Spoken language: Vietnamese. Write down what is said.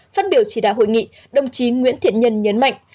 phát biểu chỉ đạo hội nghị đồng chí nguyễn thiện nhân nhấn mạnh